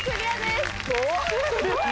すごい！